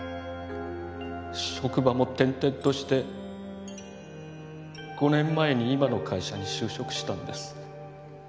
職場も転々として５年前に今の会社に就職したんです。